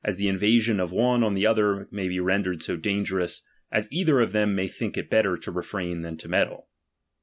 the invasion of one on the other may be rendered '—•~ to dangerous, as either of them may think it bet ter to refrain than to meddle.